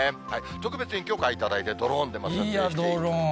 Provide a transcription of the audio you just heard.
特別に許可いただいて、ドローンで撮影しています。